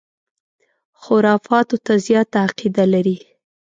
خُرافاتو ته زیاته عقیده لري.